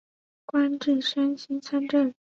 官至山西参政。